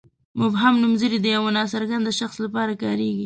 مبهم نومځري د یوه ناڅرګند شخص لپاره کاریږي.